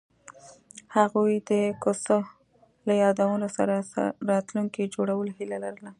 هغوی د کوڅه له یادونو سره راتلونکی جوړولو هیله لرله.